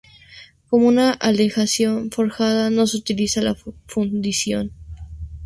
Como una aleación forjada, no se utiliza en la fundición.